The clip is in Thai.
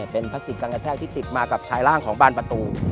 เป็นพลาสติกการกระแทกที่ติดมากับชายร่างของบานประตู